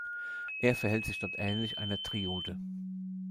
Er verhält sich dort ähnlich einer Triode.